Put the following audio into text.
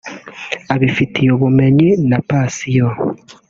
abifitiye ubumenyi na passion